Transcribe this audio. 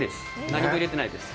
何も入れてないです。